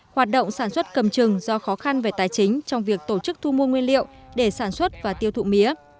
hoạt động sản xuất cầm trừng do khó khăn về tài chính trong việc tổ chức thu mua nguyên liệu để sản xuất và tiêu thụ mía